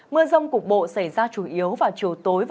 mưa rồng cục bộ xảy ra chủ yếu vào chiều tối